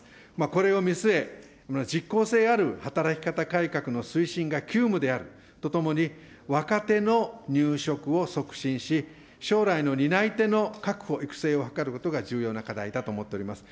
これを見据え、実効性ある働き方改革の推進が急務であるとともに、若手の入職を促進し、将来の担い手の確保、育成を図ることが重要な課題だと思っております。